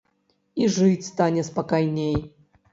І жыць стане спакайней.